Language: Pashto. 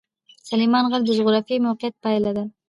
سلیمان غر د جغرافیایي موقیعت پایله ده.